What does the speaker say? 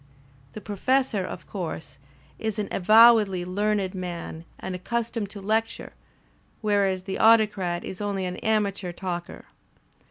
The Professor, of course, is an avowedly learned man and accus tomed to lecture, whereas the Autocrat is only an amateur talker.